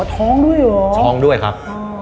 ท้องด้วยเหรอท้องด้วยครับ